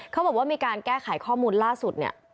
เขาบอกว่ามีการแก้ไขข้อมูลล่าสุดเนี่ย